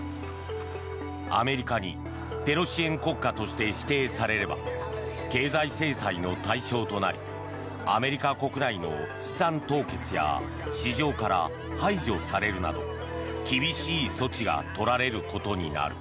アメリカにテロ支援国家として指定されれば経済制裁の対象となりアメリカ国内の資産凍結や市場から排除されるなど厳しい措置が取られることになる。